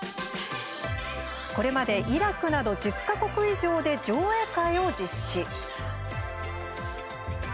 これまでイラクなど１０か国以上で上映会を実施。